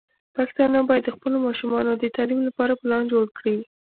پښتانه بايد د خپلو ماشومانو د تعليم لپاره پلان جوړ کړي.